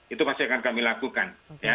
itu masih akan kami lakukan